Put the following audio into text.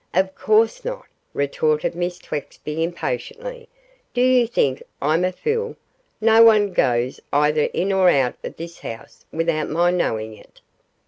'Of course not,' retorted Miss Twexby, impatiently; 'do you think I'm a fool no one goes either in or out of this house without my knowing it.